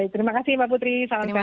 terima kasih mbak putri salam sehat